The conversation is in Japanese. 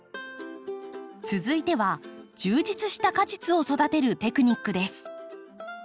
続いては充実した果実を育てるテクニックです。